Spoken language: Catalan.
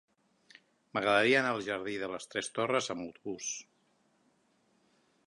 M'agradaria anar al jardí de les Tres Torres amb autobús.